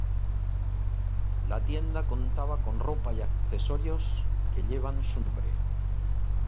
La tienda contaba con ropa y accesorios que llevan su nombre.